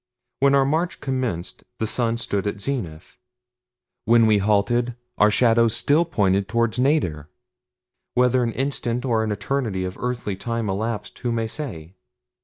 When our march commenced the sun stood at zenith. When we halted our shadows still pointed toward nadir. Whether an instant or an eternity of earthly time elapsed who may say.